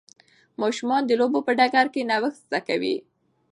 ماشومان د لوبو په ډګر کې نوښت زده کوي.